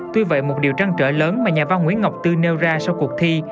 tuy vậy một điều trăn trở lớn mà nhà văn nguyễn ngọc tư nêu ra sau cuộc thi